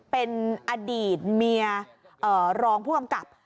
เป็นอดีตเมียรองผู้กำกับ